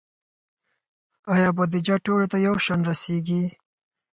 آیا بودیجه ټولو ته یو شان رسیږي؟